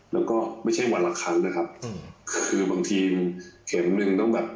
แล้วก็ไม่ใช่วันละครั้งนะครับคือบางทีเข็มหนึ่งต้องแบบ